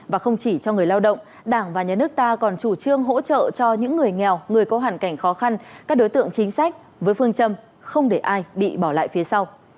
và không chỉ cho người lao động đảng và nhà nước ta còn chủ trương hỗ trợ cho những người nghèo người có hoàn cảnh khó khăn các đối tượng chính sách với phương châm không để ai bị bỏ lại phía sau